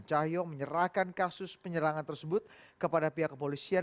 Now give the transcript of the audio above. cahyok menyerahkan kasus penyerangan tersebut kepada pihak kepolisian